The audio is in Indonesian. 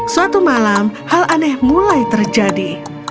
suatu malam hal aneh mulai terjadi